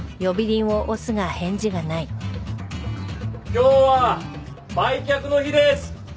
今日は売却の日です。